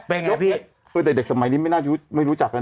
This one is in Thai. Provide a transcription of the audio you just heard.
เป็นไงพี่เออแต่เด็กสมัยนี้ไม่น่าจะได้รู้จักแล้วเนอะ